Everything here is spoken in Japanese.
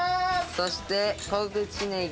そして小口ネギ。